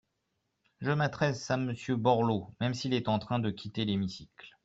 Je m’adresse à Monsieur Borloo, même s’il est en train de quitter l’hémicycle.